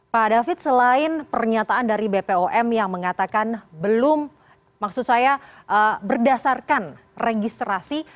pak david selain pernyataan dari bpom yang mengatakan belum maksud saya berdasarkan registrasi